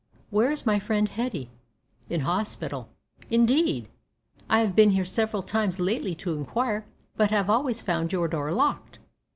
Where is my friend Hetty?" "In hospital." "Indeed! I have been here several times lately to inquire, but have always found your door locked.